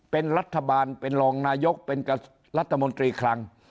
เป็นรัฐบาลเป็นรองนายกเป็นรัฐมนตรีคลัง